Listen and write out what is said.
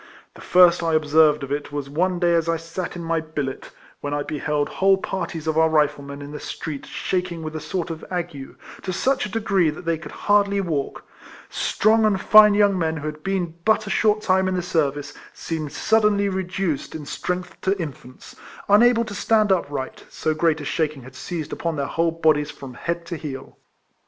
The first I observed of it was one day as I sat in my billet, when I beheld whole parties of our Riflemen in the street shaking with a sort of ague, to such a degree that they could hardly walk ; strong and fine young men who had been but a short time in the service seemed suddenly reduced in strength to infants, unable to stand upright — so great a shaking had seized upon their whole bodies from head to heel.